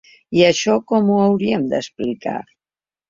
I això com ho hauríem d’explicar?